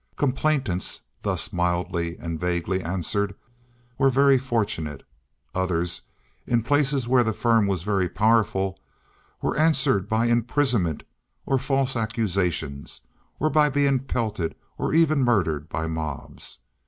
Complainants thus mildly and vaguely answered were very fortunate; others, in places where the firm was very powerful, were answered by imprisonment or false accusations, or by being pelted and even murdered by mobs.